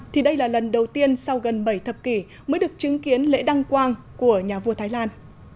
thì đây là lần đầu tiên sau gần bảy thập kỷ mới được chứng kiến lễ đăng quang của nhà vua thái lan